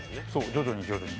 徐々に徐々に。